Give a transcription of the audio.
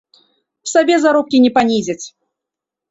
Сабе заробкі не панізяць!